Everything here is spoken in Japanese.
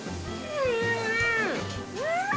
うん！